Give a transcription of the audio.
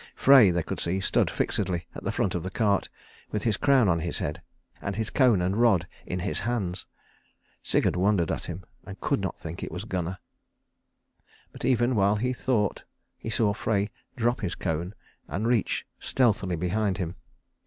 Frey, they could see, stood fixedly in the front of the cart with his crown on his head, and his cone and rod in his hands. Sigurd wondered at him, and could not think it was Gunnar. But even while he thought, he saw Frey drop his cone and reach stealthily behind him.